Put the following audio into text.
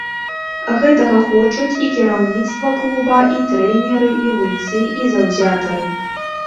Гэтага хочуць і кіраўніцтва клуба, і трэнеры, і гульцы, і заўзятары.